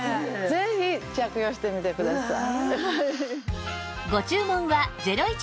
ぜひ着用してみてください。